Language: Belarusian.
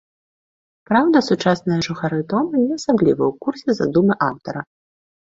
Праўда, сучасныя жыхары дома не асабліва ў курсе задумы аўтара.